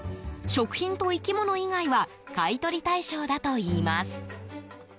食品と生き物以外は買い取り対象だといいます。